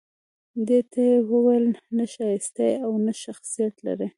دې ته يې وويل نه ښايسته يې او نه شخصيت لرې